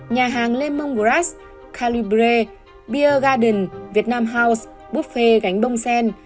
nhà hàng lemongrass calibre beer garden vietnam house buffet gánh bông sen